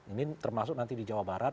ini termasuk nanti di jawa barat